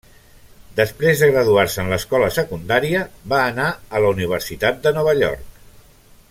Després de graduar-se en l'escola secundària, va anar a la Universitat de Nova York.